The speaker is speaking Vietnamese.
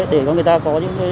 để cho người ta có